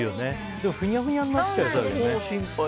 でもふにゃふにゃになっちゃうよね。